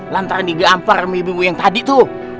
lantaran digampar mimpimu yang tadi tuh